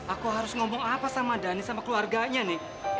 aku harus ngomong apa sama dhani sama keluarganya nih